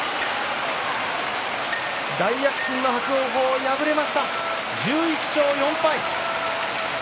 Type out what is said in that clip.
大躍進の伯桜鵬敗れました、１１勝４敗。